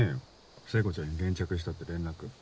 聖子ちゃんに現着したって連絡。